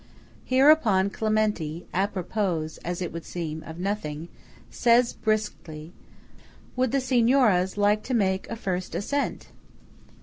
Hereupon Clementi, àpropos, as it would seem, of nothing, says briskly:– "Would the Signoras like to make a first ascent?"